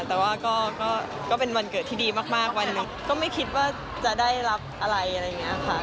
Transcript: แต่ว่าก็เป็นวันเกิดที่ดีมากวันหนึ่งก็ไม่คิดว่าจะได้รับอะไรอะไรอย่างนี้ค่ะ